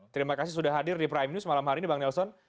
terima kasih sudah hadir di prime news malam hari ini bang nelson